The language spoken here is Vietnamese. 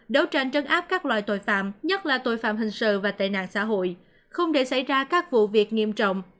đấu tranh trấn áp các loại tội phạm nhất là tội phạm hình sự và tệ nạn xã hội không để xảy ra các vụ việc nghiêm trọng